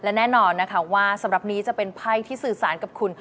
และแน่นอนนะคะว่าสำหรับนี้จะเป็นไพ่ที่สื่อสารกับคุณ